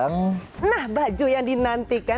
nah baju yang dinantikan